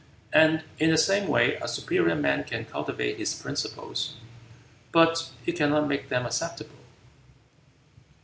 And in the same way a superior man can cultivate his principles, but he cannot make them acceptable."